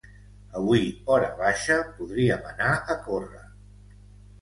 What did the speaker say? Avui horabaixa podríem anar a córrer.